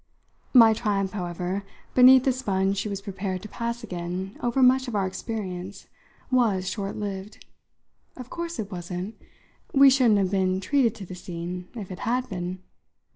My triumph, however, beneath the sponge she was prepared to pass again over much of our experience, was short lived. "Of course it wasn't. We shouldn't have been treated to the scene if it had been.